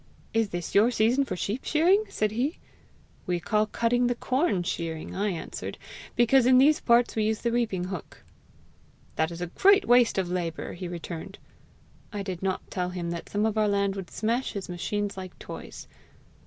'Is this your season for sheep shearing?' said he.'We call cutting the corn shearing,' I answered, 'because in these parts we use the reaping hook.' 'That is a great waste of labour!' he returned. I did not tell him that some of our land would smash his machines like toys.